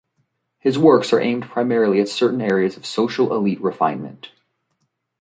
His works are aimed primarily at certain areas of social elite refinement"".